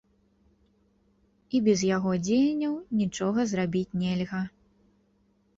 І без яго дзеянняў нічога зрабіць нельга.